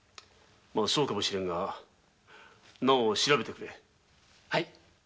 そうかもしれぬがなお調べてくれ。